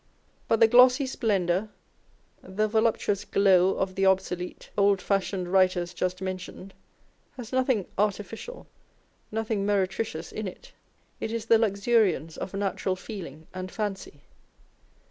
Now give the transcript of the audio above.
But the glossy splendour, the voluptuous glow of the obsolete, old fashioned writers just mentioned has nothing artificial, nothing meretricious in it. It is the luxuriance of natural feeling and fancy.